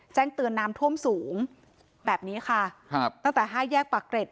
แจ้งเตือนน้ำท่วมสูงแบบนี้ค่ะครับตั้งแต่ห้าแยกปากเกร็ด